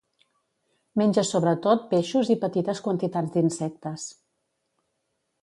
Menja sobretot peixos i petites quantitats d'insectes.